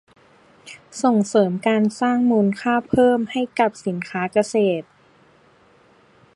ส่งเสริมการสร้างมูลค่าเพิ่มให้กับสินค้าเกษตร